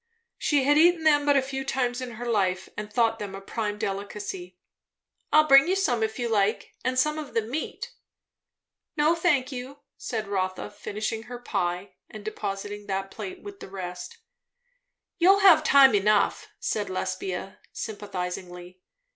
She had eaten them but a few times in her life, and thought them a prime delicacy. "I'll bring you some if you like, and some of the meat." "No, thank you," said Rotha, finishing her pie and depositing that plate with the rest. "You'll have time enough," said Lesbia sympathizingly.